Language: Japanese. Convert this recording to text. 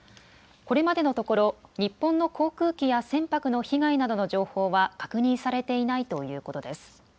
これまでのところ日本の航空機や船舶の被害などの情報は確認されていないということです。